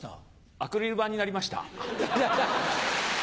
アクリル板になりました。